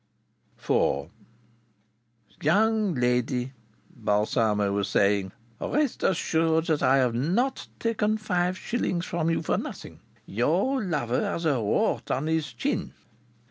IV "Young lady," Balsamo was saying. "Rest assured that I have not taken five shillings from you for nothing. Your lover has a wart on his chin."